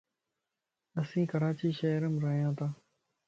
اسين ڪراچي شھر مَ ريان تان